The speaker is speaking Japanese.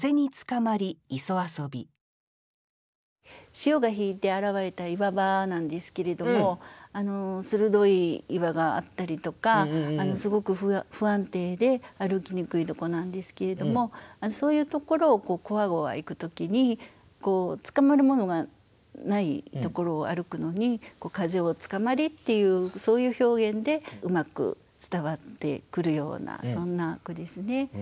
潮が引いて現れた岩場なんですけれども鋭い岩があったりとかすごく不安定で歩きにくいところなんですけれどもそういうところをこわごわ行く時につかまるものがないところを歩くのに「風につかまり」っていうそういう表現でうまく伝わってくるようなそんな句ですね。